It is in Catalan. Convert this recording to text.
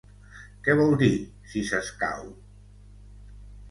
Què vol dir “si s’escau”?